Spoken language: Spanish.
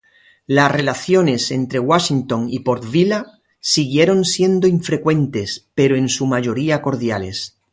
Las relaciones entre Washington y Port-Vila siguieron siendo infrecuentes pero en su mayoría cordiales.